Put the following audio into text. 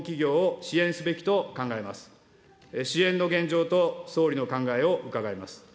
支援の現状と総理の考えを伺います。